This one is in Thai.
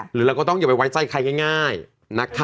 หรือเราก็ต้องอย่าไปไว้ใจใครง่ายแม่ค่ะ